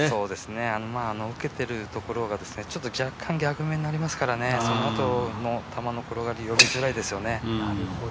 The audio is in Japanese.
受けてるところが若干逆目になりますからね、そのあとの球の転がり、読みづらいですよね。